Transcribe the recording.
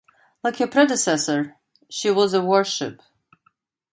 Like her predecessor, she was a warship.